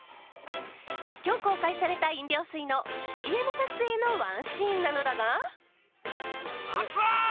今日、公開された飲料水のＣＭ撮影のワンシーンなのだが。